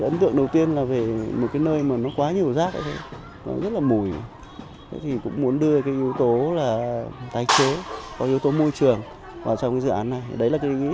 nhiều yếu tố là tái chế có yếu tố môi trường vào trong dự án này